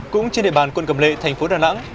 cũng trên đề bàn quân cầm lệ thành phố đà nẵng